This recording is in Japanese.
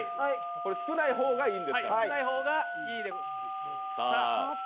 これ、少ない方がいいんです